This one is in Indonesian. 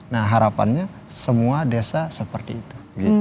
nah harapannya semua desa seperti itu